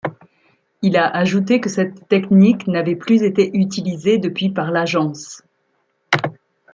Il a ajouté que cette technique n'avait plus été utilisée depuis par l'agence.